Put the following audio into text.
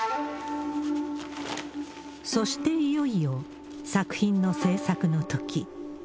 そしていよいよ作品の制作のとき。